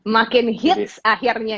makin hits akhirnya